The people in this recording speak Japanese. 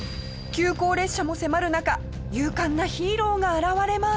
急行列車も迫る中勇敢なヒーローが現れます！